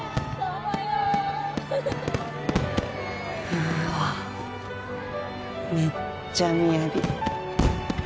うわめっちゃみやび。